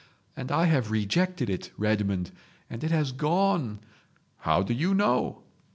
And I have rejected it, Redmond, and it has gone—" "How do you know?"